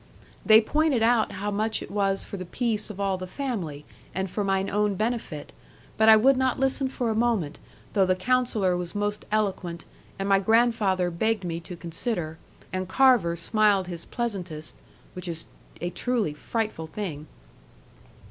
They pointed out how much it was for the peace of all the family, and for mine own benefit; but I would not listen for a moment, though the Counsellor was most eloquent, and my grandfather begged me to consider, and Carver smiled his pleasantest, which is a truly frightful thing.